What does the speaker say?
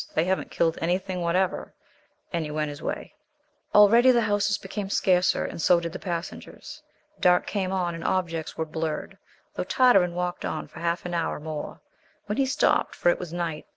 They haven't killed anything whatever," and he went his way. Already the houses became scarcer, and so did the passengers. Dark came on and objects were blurred, though Tartarin walked on for half an hour more, when he stopped, for it was night.